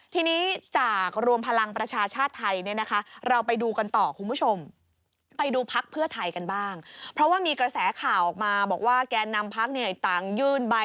ทีนี้จากรวมพลังประชาชาติไทย